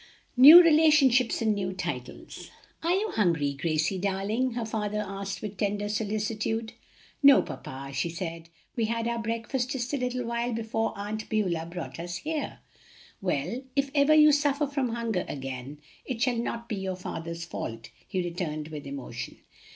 NEW RELATIONSHIPS AND NEW TITLES. "Are you hungry, Gracie darling?" her father asked with tender solicitude. "No, papa," she said, "we had our breakfast just a little while before Aunt Beulah brought us here." "Well, if ever you suffer from hunger again it shall not be your father's fault," he returned with emotion.